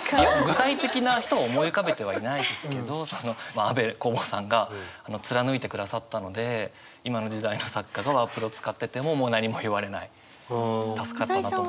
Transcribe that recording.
具体的な人を思い浮かべてはいないですけど安部公房さんが貫いてくださったので今の時代の作家がワープロ使ってても助かったなと。